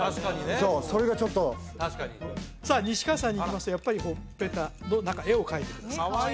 そうそれがちょっとさあ西川さんにいきますとやっぱりほっぺたの中絵を描いてくださいました